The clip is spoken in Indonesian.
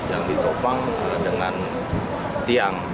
yang ditopang dengan tiang